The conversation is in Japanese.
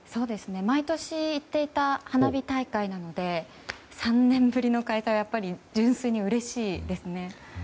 毎年行っていた花火大会なので３年ぶりの開催は純粋にうれしいですね。